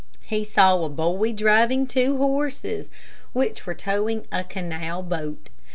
He saw a boy driving two horses, which were towing a canal boat.